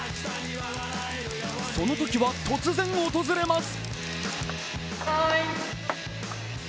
その時は、突然訪れます。